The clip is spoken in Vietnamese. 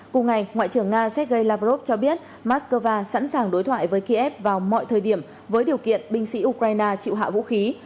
cùng ngày ngoại trưởng nga sergei lavrov cho biết moscow sẵn sàng đối thoại với kiev vào mọi thời điểm với điều kiện binh sĩ ukraine chịu hạ vũ khí